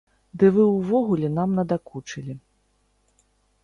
Ды вы ўвогуле нам надакучылі!